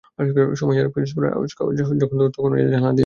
সুমাইয়া, পিরোজপুরসেরা আওয়াজকাজ যখন দুয়ারে আসে, সময় তখন জানালা দিয়ে পালায়।